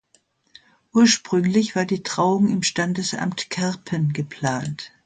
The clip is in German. Ursprünglich war die Trauung im Standesamt Kerpen geplant.